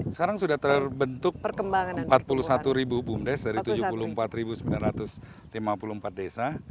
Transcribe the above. sekarang sudah terbentuk empat puluh satu bumdes dari tujuh puluh empat sembilan ratus lima puluh empat desa